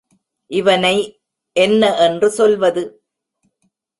இவனை என்ன என்று சொல்வது?